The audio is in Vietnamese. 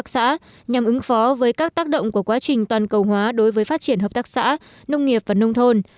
tổ chức quản lý và điều hành hợp tác xã nhằm ứng phó với các tác động của quá trình toàn cầu hóa đối với phát triển hợp tác xã nông nghiệp và nông thôn